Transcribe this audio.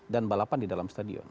dan balapan di dalam stadion